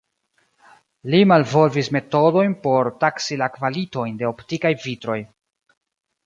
Li malvolvis metodojn por taksi la kvalitojn de optikaj vitroj.